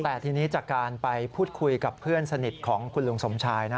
แต่ทีนี้จากการไปพูดคุยกับเพื่อนสนิทของคุณลุงสมชายนะ